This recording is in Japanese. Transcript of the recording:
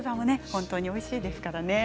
本当においしいですからね。